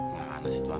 mana si tuan